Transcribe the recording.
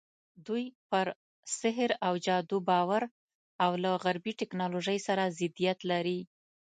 دوی پر سحر او جادو باور او له غربي ټکنالوژۍ سره ضدیت لري.